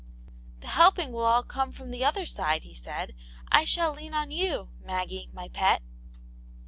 The helping will all come from the other side/* he said. '* I shall lean on you, Maggie, my pet."